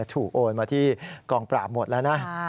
โอนมาที่กองปราบหมดแล้วนะ